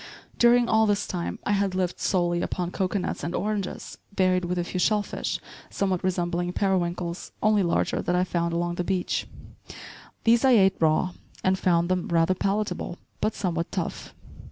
During all this time I had lived solely upon cocoanuts and oranges, varied with a few shellfish, somewhat resembling periwinkles, only larger, that I found along the beach. These I ate raw, and found them rather palatable but somewhat tough.